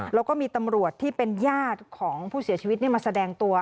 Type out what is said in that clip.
แล้วก็มีตำรวจที่เป็นญาติของผู้เสียชีวิตมาแสดงตัว